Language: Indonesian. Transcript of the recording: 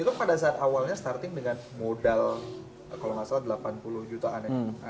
itu pada saat awalnya starting dengan modal kalau nggak salah delapan puluh jutaan ya